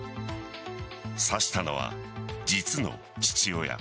刺したのは実の父親。